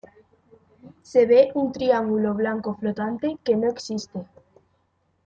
Se ve un triángulo blanco flotante, que no existe.